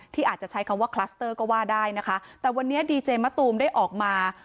อาจจะใช้คำว่าคลัสเตอร์ก็ว่าได้นะคะแต่วันนี้ดีเจมะตูมได้ออกมา